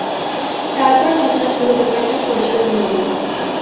তারপর হঠাৎ পুরো ব্যাপারটা পরিষ্কার হয়ে গেল।